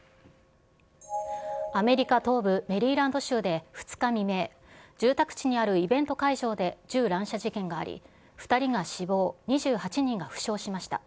アメリカ東部メリーランド州で２日未明、住宅地にあるイベント会場で銃乱射事件があり、２人が死亡、２８人が負傷しました。